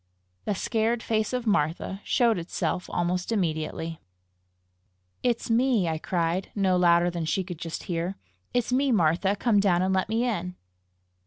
The scared face of Martha showed itself almost immediately. "It's me!" I cried, no louder than she could just hear; "it's me, Martha! Come down and let me in."